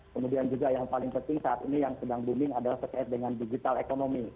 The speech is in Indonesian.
kemudian juga yang paling penting saat ini yang sedang booming adalah terkait dengan digital ekonomi